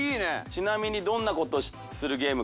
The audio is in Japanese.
ちなみにどんな事するゲームかな？